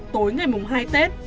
tối ngày mùng hai tết